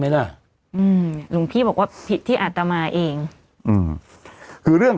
ไหมล่ะอืมหลวงพี่บอกว่าผิดที่อาตมาเองอืมคือเรื่อง